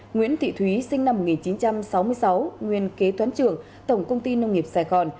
nguyễn thị thúy sinh năm một nghìn chín trăm sáu mươi sáu nguyên kế toán trưởng tổng công ty nông nghiệp sài gòn